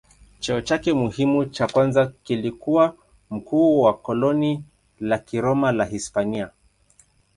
Cheo chake muhimu cha kwanza kilikuwa mkuu wa koloni la Kiroma la Hispania.